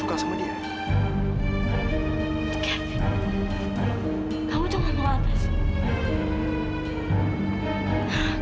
punca kita bangun semua ratu will mek allah miko